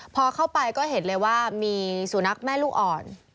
พอเข้าไปก็เห็นเลยว่ามีสุนัขแม่ลูกอ่อน